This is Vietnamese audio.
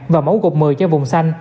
và mẫu gột một mươi cho vùng xanh